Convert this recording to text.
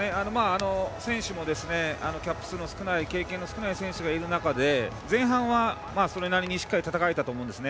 選手もキャップ数の少ない選手がいる中で前半は、それなりにしっかり戦えたと思います。